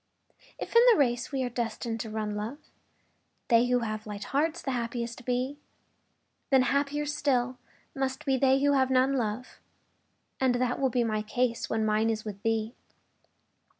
If in the race we are destined to run, love, They who have light hearts the happiest be, Then happier still must be they who have none, love. And that will be my case when mine is with thee.